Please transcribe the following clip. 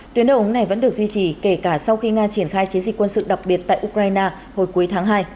tuyến ống này vẫn được duy trì kể cả sau khi nga triển khai chiến dịch quân sự đặc biệt tại ukraine hồi cuối tháng hai